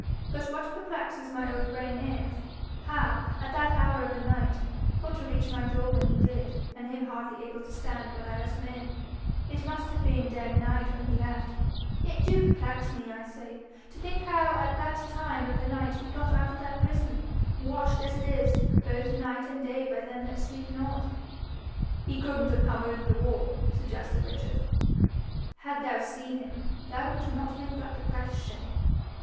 But what perplexes my old brain is, how, at that hour of the night, for to reach my door when he did, and him hardly able to stand when I let him in, it must have been dead night when he left it do perplex me, I say, to think how at that time of the night he got out of that prison, watched as it is both night and day by them that sleep not.' 'He couldn't have come over the wall?' suggested Richard. 'Had thou seen him thou would not make that the question.'